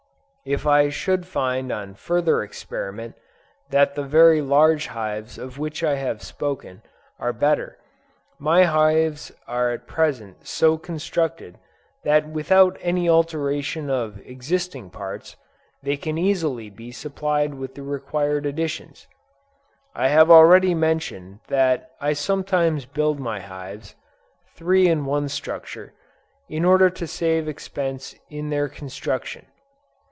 If I should find on further experiment, that the very large hives of which I have spoken, are better, my hives are at present so constructed that without any alteration of existing parts, they can easily be supplied with the required additions. I have already mentioned that I sometimes build my hives, three in one structure, in order to save expense in their construction.